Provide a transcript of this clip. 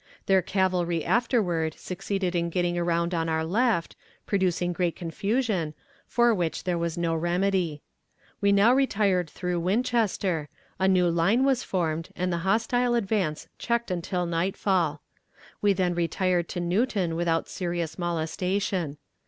Their cavalry afterward succeeded in getting around on our left, producing great confusion, for which there was no remedy. We now retired through Winchester, a new line was formed, and the hostile advance checked until nightfall. We then retired to Newton without serious molestation.